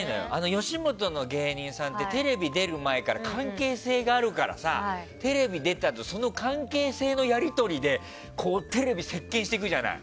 吉本の芸人さんってテレビ出る前から関係性があるからその関係性のやり取りでテレビ席巻していくじゃない。